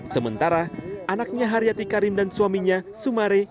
sementara anaknya haryati karim dan suaminya sumare